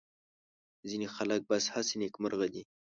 ځینې خلک بس هسې نېکمرغه دي.